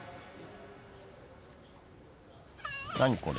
何これ？